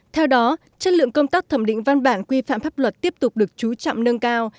theo đó chất lượng công tác thẩm định văn bản quy phạm pháp luật tiếp tục được chú trọng nâng cao